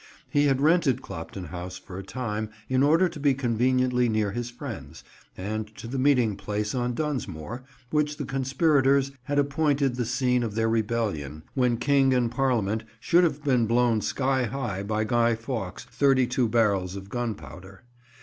He had rented Clopton House for a time, in order to be conveniently near his friends, and to the meeting place on Dunsmore, which the conspirators had appointed the scene of their rebellion when King and Parliament should have been blown sky high by Guy Fawkes' thirty two barrels of gunpowder.